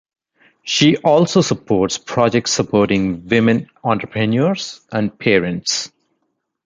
She also supports projects supporting women entrepreneurs, and parents.